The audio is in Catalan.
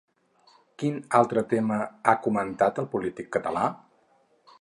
Quin altre tema ha comentat el polític català?